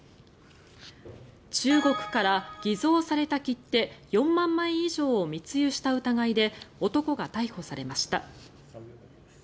中国から偽造された切手４万枚以上を密輸した疑いで男が逮捕されました。